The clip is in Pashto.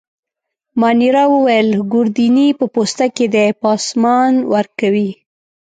مانیرا وویل: ګوردیني په پوسته کي دی، پاسمان ورکوي.